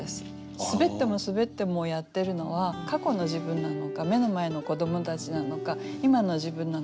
すべってもすべってもやってるのは過去の自分なのか目の前の子どもたちなのか今の自分なのか